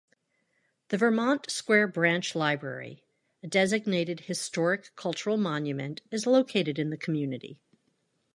The Vermont Square Branch library, a designated Historic-Cultural Monument, is located in the community.